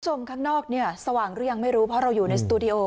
คุณผู้ชมข้างนอกเนี่ยสว่างหรือยังไม่รู้เพราะเราอยู่ในสตูดิโอ